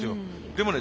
でもね